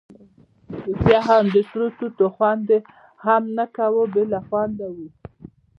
ریښتیا هم د سرو توتو خوند یې هم نه کاوه، بې خونده وو.